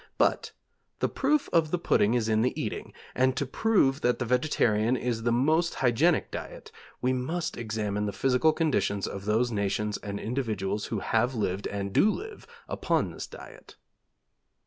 But the proof of the pudding is in the eating, and to prove that the vegetarian is the most hygienic diet, we must examine the physical conditions of those nations and individuals who have lived, and do live, upon this diet.